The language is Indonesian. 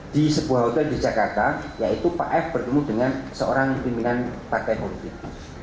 di sebuah hotel di jakarta yaitu pak f bertemu dengan seorang pimpinan partai politik